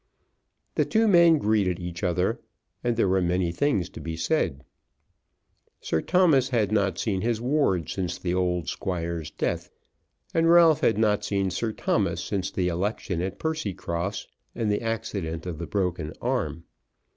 The two men greeted each other, and there were many things to be said. Sir Thomas had not seen his ward since the old Squire's death, and Ralph had not seen Sir Thomas since the election at Percycross and the accident of the broken arm.